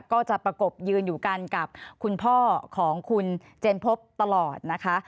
ประกบยืนอยู่กันกับคุณพ่อของคุณเจนพบตลอดนะคะ